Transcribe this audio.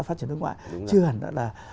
phát triển nước ngoại chưa hẳn là